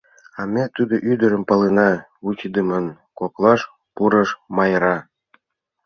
— А ме тудо ӱдырым палена, — вучыдымын коклаш пурыш Майра.